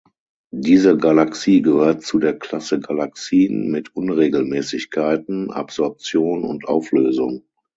Diese Galaxie gehört zu der Klasse Galaxien mit Unregelmäßigkeiten, Absorption und Auflösung.